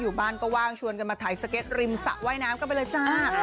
อยู่บ้านก็ว่างชวนกันมาถ่ายสเก็ตริมสระว่ายน้ำกันไปเลยจ้า